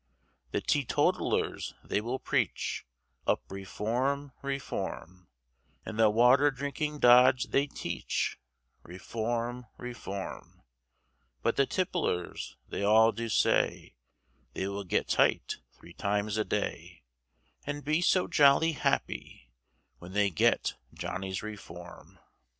The teetotalers they will preach Up Reform, Reform; And the water drinking dodge they teach, Reform, Reform; But the tipplers they all do say, They will get tight three times a day, And be so jolly happy When they get Johnny's Reform.